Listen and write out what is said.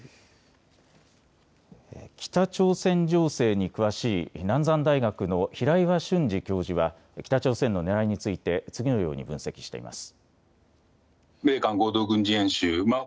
北朝鮮情勢に詳しい南山大学の平岩俊司教授は北朝鮮のねらいについて次のように分析しています。